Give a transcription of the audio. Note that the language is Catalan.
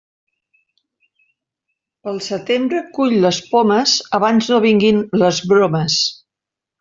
Pel setembre cull les pomes abans no vinguin les bromes.